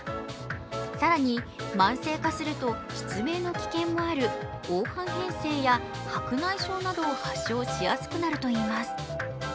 更に、慢性化すると失明の危険もある黄斑変性や白内障などを発症しやすくなるといいます。